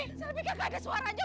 kau beneran kagak iya